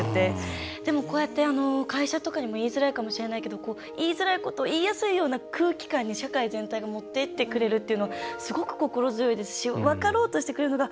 でもこうやって会社とかにも言いづらいかもしれないけど言いづらいことを言いやすいような空気感に社会全体が持っていってくれるっていうのはすごく心強いですし分かろうとしてくれるのがうれしいなっていうその動きがもっと増えればいいなって